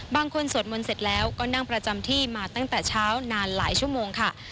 สวดมนต์เสร็จแล้วก็นั่งประจำที่มาตั้งแต่เช้านานหลายชั่วโมงค่ะ